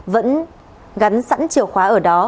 vẫn gắn sẵn chiều khóa ở đó